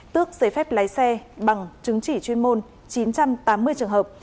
tước giấy phép lái xe bằng chứng chỉ chuyên môn chín trăm tám mươi trường hợp